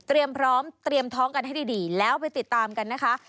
พร้อมเตรียมท้องกันให้ดีแล้วไปติดตามกันนะคะ